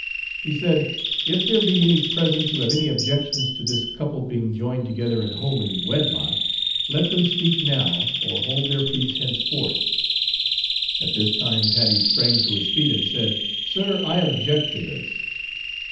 He said "if there be any present who have any objections to this couple being joined together in holy wedlock, let them speak now, or hold their peace henceforth." At this time Paddy sprang to his feet and said, "Sir, I object to this."